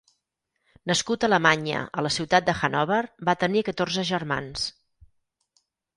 Nascut a Alemanya, a la ciutat de Hannover, va tenir catorze germans.